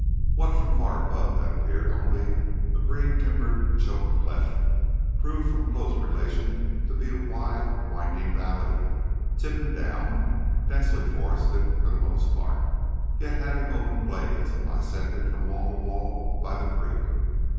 What from far above had appeared only a green timber choked cleft proved from close relation to be a wide winding valley, tip and down, densely forested for the most part, yet having open glades and bisected from wall to wall by the creek.